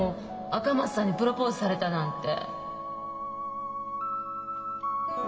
赤松さんにプロポーズされたなんて。